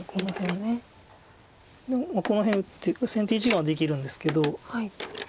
この辺打って先手一眼はできるんですけど。